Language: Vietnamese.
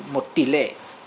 một tỷ lệ